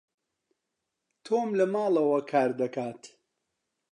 تۆم لە ماڵەوە کار دەکات.